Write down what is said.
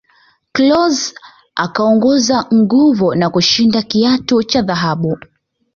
klose akaongeza nguvu na kushinda kiatu cha dhahabu